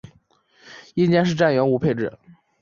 夜间是站员无配置。